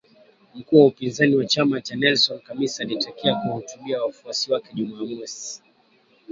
mkuu wa upinzani wa chama cha Nelson Chamisa alitakiwa kuhutubia wafuasi wake Jumamosi